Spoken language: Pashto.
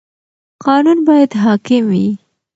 قانون باید حاکم وي.